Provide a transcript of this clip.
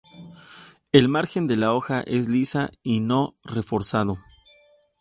El margen de la hoja es lisa y no reforzado.